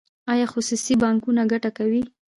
آیا خصوصي بانکونه ګټه کوي؟